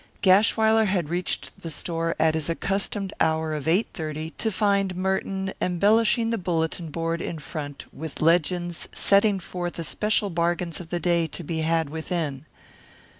Gashwiler had reached the store at his accustomed hour of 8:30 to find Merton embellishing the bulletin board in front with legends setting forth especial bargains of the day to be had within.